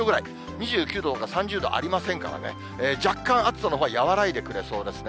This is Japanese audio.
２９度とか３０度、ありませんからね、若干、暑さのほうは和らいでくれそうですね。